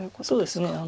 そうですね。